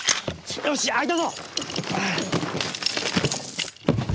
よし開いたぞ！